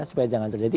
supaya jangan terjadi